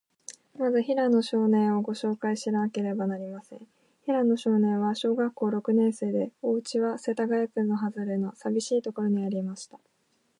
まず、平野少年を、ごしょうかいしなければなりません。平野少年は、小学校の六年生で、おうちは、世田谷区のはずれの、さびしいところにありました。